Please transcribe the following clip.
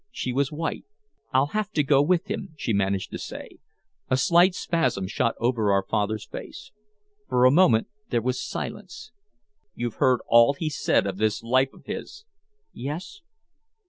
She was white. "I'll have to go with him," she managed to say. A slight spasm shot over our father's face. For a moment there was silence. "You've heard all he said of this life of his?" "Yes."